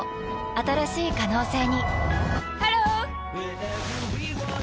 新しい可能性にハロー！